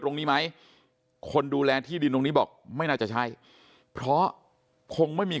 ตรงนี้ไหมคนดูแลที่ดินตรงนี้บอกไม่น่าจะใช่เพราะคงไม่มี